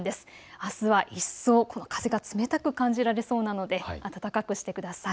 あすは一層、風が冷たく感じられそうなので暖かくしてください。